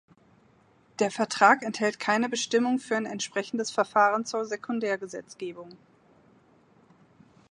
Der Vertrag enthält keine Bestimmung für ein entsprechendes Verfahren zur Sekundärgesetzgebung.